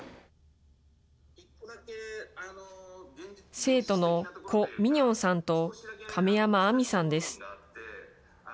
生徒のコ・ミニョンさんと、亀山亜美さんです。